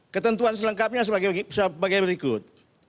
ketentuan selengkapnya sebagai berikut